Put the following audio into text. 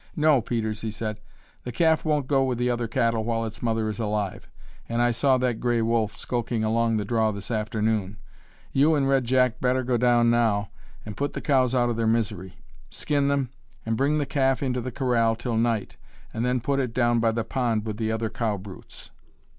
"No, Peters," he said; "the calf won't go with the other cattle while its mother is alive, and I saw that gray wolf skulking along the draw this afternoon. You and Red Jack'd better go down now and put the cows out of their misery. Skin them and bring the calf into the corral till night, and then put it down by the pond with the other cow brutes."